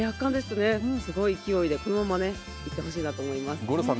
すごい勢いで、このままいってほしいないと思います。